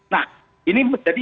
nah ini menjadi